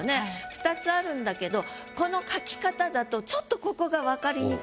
２つあるんだけどこの書き方だとちょっとここが。